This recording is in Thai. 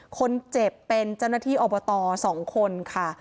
คนเจ็บเป็นเจ้าหน้าที่อบต๒คนค่ะ